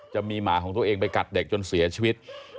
หมาของตัวเองไปกัดเด็กจนเสียชีวิต